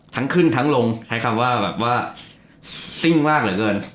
ทั้งขึ้นทั้งลงใช้คำว่าแบบว่าซิ่งมากเหลือเกิน